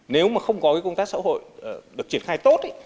nếu mà không có công tác xã hội được triển khai tốt